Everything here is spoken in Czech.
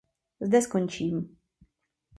Zde skončím.